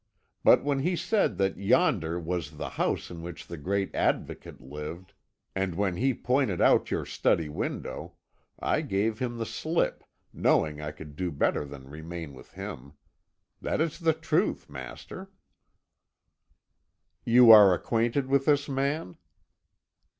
But when he said that yonder was the house in which the great Advocate lived, and when he pointed out your study window, I gave him the slip, knowing I could do better than remain with him. That is the truth, master." "Are you acquainted with this man?"